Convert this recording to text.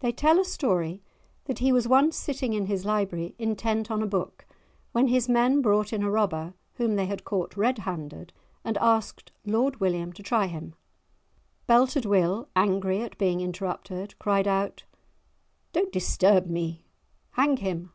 They tell a story that he was once sitting in his library intent on a book when his men brought in a robber whom they had caught red handed, and asked Lord William to try him. Belted Will, angry at being interrupted, cried out:—"Don't disturb me; hang him!"